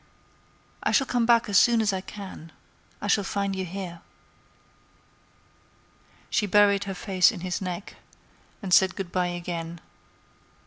"I shall come back as soon as I can; I shall find you here." She buried her face in his neck, and said good by again.